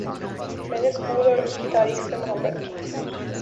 میں نے سکول اور اس کی تاریخ سے محبت کی